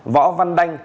võ văn đanh